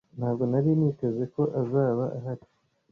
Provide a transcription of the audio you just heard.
Ntabwo nari niteze ko azaba ahari